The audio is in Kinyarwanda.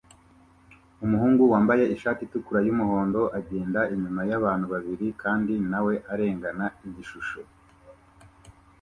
Umuhungu wambaye ishati yumuhondo agenda inyuma yabantu babiri kandi nawe arengana igishusho